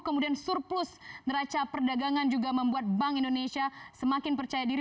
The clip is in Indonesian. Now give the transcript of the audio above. kemudian surplus neraca perdagangan juga membuat bank indonesia semakin percaya diri